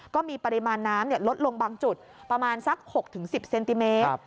ก็มีปริมาณน้ำลดลงบางจุดประมาณสัก๖๑๐เซนติเมตร